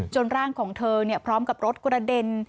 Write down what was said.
ร่างของเธอพร้อมกับรถกระเด็น